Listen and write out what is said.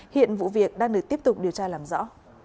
hiện vụ việc đang được tiếp tục điều tra làm rõ